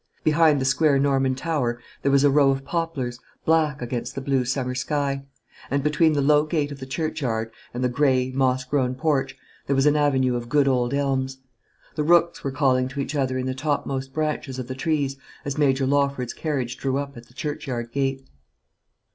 Behind the square Norman tower there was a row of poplars, black against the blue summer sky; and between the low gate of the churchyard and the grey, moss grown porch, there was an avenue of good old elms. The rooks were calling to each other in the topmost branches of the trees as Major Lawford's carriage drew up at the churchyard gate.